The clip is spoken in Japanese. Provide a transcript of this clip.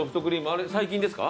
あれ最近ですか？